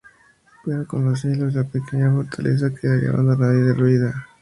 Pero con los siglos la pequeña fortaleza quedaría abandonada y derruida.